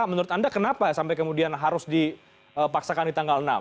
menurut anda kenapa sampai kemudian harus dipaksakan di tanggal enam